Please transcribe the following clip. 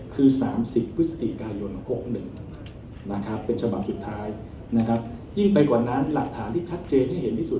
คือ๓๐พฤศจิกายน๖๑